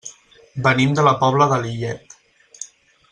Venim de la Pobla de Lillet.